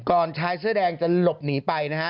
ชายเสื้อแดงจะหลบหนีไปนะฮะ